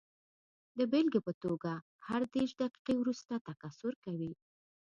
د بېلګې په توګه هر دېرش دقیقې وروسته تکثر کوي.